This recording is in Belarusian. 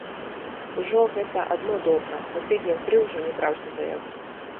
Ужо гэта адно добра, бо тыдняў тры ўжо не браўся за яго.